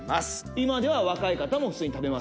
今では若い方も普通に食べます